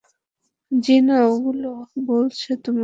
জিনা ওগুলো বলেছে আমাকে।